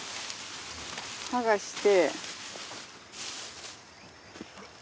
はがして。